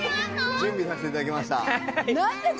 準備させて頂きました。